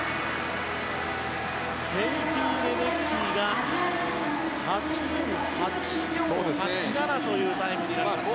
ケイティ・レデッキーが８分８秒８７というタイムになりました。